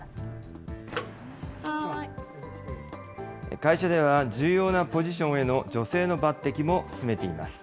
会社では、重要なポジションへの女性の抜てきも進めています。